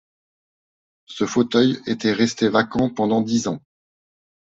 Ce fauteuil était resté vacant pendant dix ans.